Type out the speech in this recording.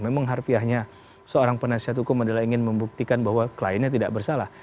memang harfiahnya seorang penasihat hukum adalah ingin membuktikan bahwa kliennya tidak bersalah